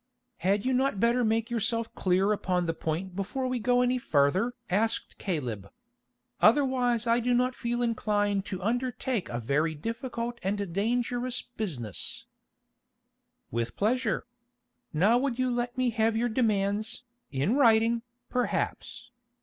"Had you not better make yourself clear upon the point before we go any further?" asked Caleb. "Otherwise I do not feel inclined to undertake a very difficult and dangerous business." "With pleasure. Now would you let me have your demands, in writing, perhaps.